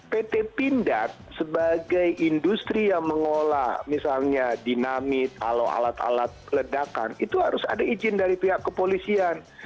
pt pindad sebagai industri yang mengolah misalnya dinamit atau alat alat ledakan itu harus ada izin dari pihak kepolisian